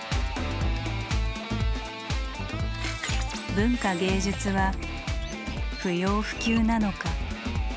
文化芸術は「不要不急」なのか。